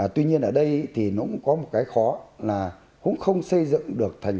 tuy nhiên ở đây thì nó cũng có một cái khó là cũng không xây dựng được thành